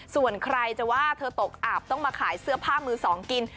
ส่วนใครจะว่าเธอตกอาบต้องมาขายเสื้อผ้ามือสองกิน